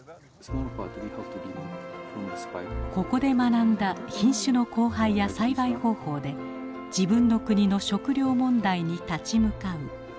ここで学んだ品種の交配や栽培方法で自分の国の食糧問題に立ち向かう。